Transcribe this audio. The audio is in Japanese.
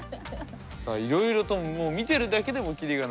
いろいろともう見てるだけでも切りがないですけど。